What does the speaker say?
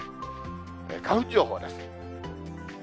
花粉情報です。